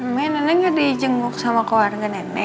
mereka juga sangat baik dengan kamu